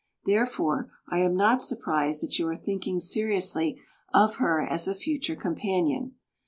Therefore, I am not surprised that you are thinking seriously of her as a future companion.